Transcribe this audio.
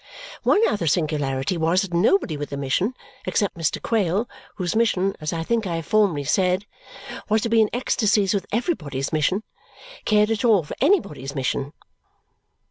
One other singularity was that nobody with a mission except Mr. Quale, whose mission, as I think I have formerly said, was to be in ecstasies with everybody's mission cared at all for anybody's mission.